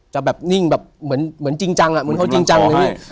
จะแบบนิ่งแบบเหมือนจริงจังอ่ะเหมือนเขาจริงจังเลยพี่